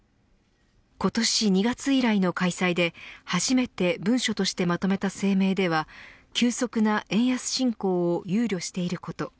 今年２月以来の開催で初めて文書としてまとめた声明では急速な円安進行を憂慮していること。